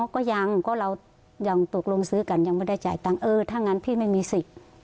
ก็ยังก็เรายังตกลงซื้อกันยังไม่ได้จ่ายตังค์เออถ้างั้นพี่ไม่มีสิทธิ์